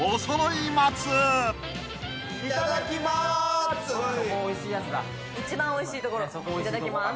いただきます。